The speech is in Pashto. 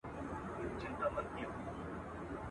یو خوا مُلا دی بل خوا کرونا ده.